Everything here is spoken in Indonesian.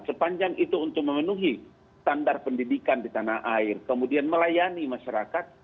sepanjang itu untuk memenuhi standar pendidikan di tanah air kemudian melayani masyarakat